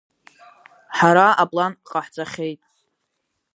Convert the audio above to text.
Ҳара аплан ҟаҳҵахьеит.